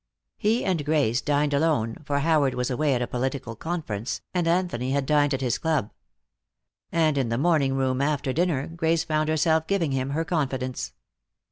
He and Grace dined alone, for Howard was away at a political conference, and Anthony had dined at his club. And in the morning room after dinner Grace found herself giving him her confidence.